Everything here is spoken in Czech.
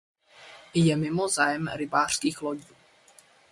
Je mimo zájem rybářských lodí.